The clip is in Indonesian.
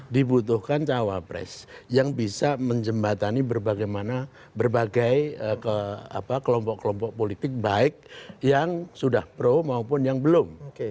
dibutuhkan cawapres yang bisa menjembatani berbagai kelompok kelompok politik baik yang sudah pro maupun yang belum